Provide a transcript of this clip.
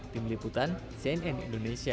tim liputan cnn indonesia